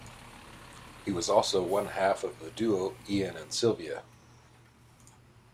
He was also one half of the duo Ian and Sylvia.